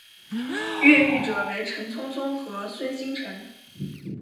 越狱者为陈聪聪和孙星辰。